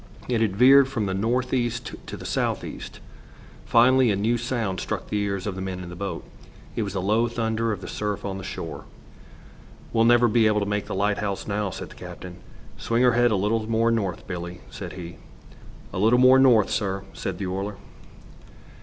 It had veered from the north east to the south east. Finally, a new sound struck the ears of the men in the boat. It was the low thunder of the surf on the shore. "We'll never be able to make the lighthouse now," said the captain. "Swing her head a little more north, Billie," said he. "'A little more north,' sir," said the oiler.